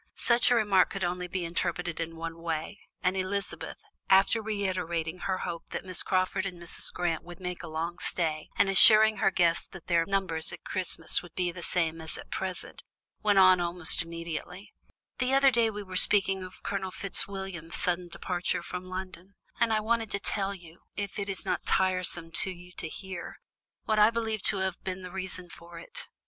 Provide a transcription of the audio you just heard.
Such a remark could only be interpreted in one way, and Elizabeth, after reiterating her hope that Miss Crawford and Mrs. Grant would make a long stay, and assuring her guest that their numbers at Christmas would be the same as at present, went on almost immediately: "The other day we were speaking of Colonel Fitzwilliam's sudden departure from London, and I wanted to tell you, if it is not tiresome to you to hear, what I believe to have been the reason for it.